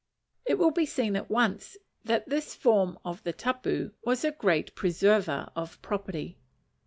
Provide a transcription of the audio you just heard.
It will be seen at once that this form of the tapu was a great preserver of property.